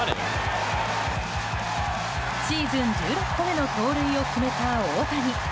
シーズン１６個目の盗塁を決めた大谷。